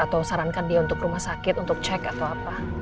atau sarankan dia untuk rumah sakit untuk cek atau apa